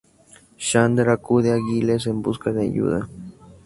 Xander acude a Giles en busca de ayuda.